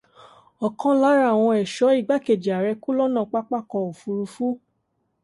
Ọ̀kan lára àwọn ẹ̀ṣọ́ igbákejì ààrẹ kú lọ́nà pápákọ̀ òfurufú.